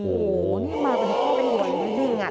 โอ้โหนี่มาเป็นคุณผู้จับกลุ่มหนึ่งอ่ะ